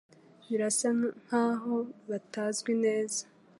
birasa naho bitazwi neza